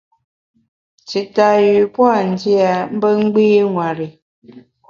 Tita yü pua’ ndia mbe gbî ṅweri.